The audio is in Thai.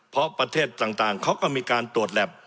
เพราะประเทศต่างเขาก็มีการตรวจแล็บ